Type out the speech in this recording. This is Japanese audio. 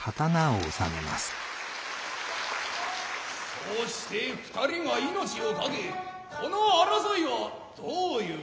そうして二人が命をかけこの争いはどういう訳だ。